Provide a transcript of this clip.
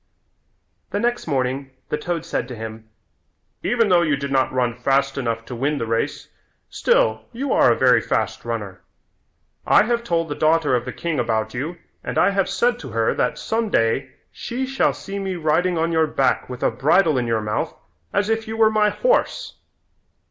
The next morning the toad said to him, "Even though you did not run fast enough to win the race, still you are a very fast runner. I have told the daughter of the king about you and I have said to her that some day she shall see me riding on your back with a bridle in your mouth as if you were my horse."